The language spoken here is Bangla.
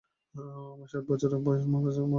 আমার সাত বছর বয়সে মা মারা যান।